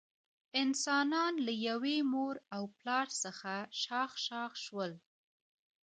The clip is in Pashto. انسانان له یوه مور او پلار څخه شاخ شاخ شول.